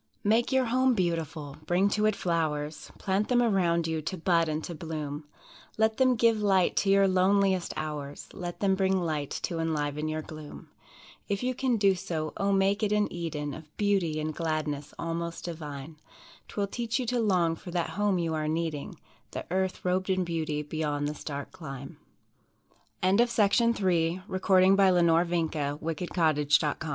Make your home beautiful bring to it flowers; Plant them around you to bud and to bloom; Let them give light to your loneliest hours Let them bring light to enliven your gloom; If you can do so, O make it an Eden Of beauty and gladness almost divine; 'Twill teach you to long for that home you are needing, The earth robed in beauty beyond this dark clime. A Talk About Stocking the Garden. "The flowers we lo